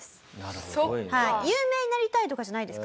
有名になりたいとかじゃないですから。